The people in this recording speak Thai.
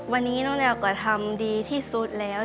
วันนี้น้องแนวก็ทำดีที่สุดแล้ว